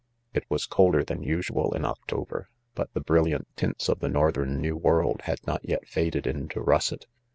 79 1 It was colder than, usual in "October, but, the brilliant tints of the northern New World liad not yet faded into russet.